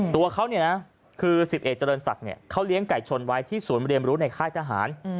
ตัวเขาเนี่ยนะคือ๑๑เจริญศักดิ์เขาเลี้ยงไก่ชนไว้ที่ศูนย์เรียนรู้ในค่ายทหาร